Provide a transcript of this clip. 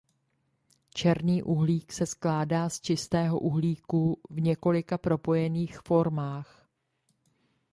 Černý uhlík se skládá z čistého uhlíku v několika propojených formách.